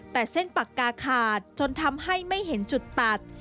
แต่เส้นปากกาขาดจนทำให้ไม่เห็นจุดตัด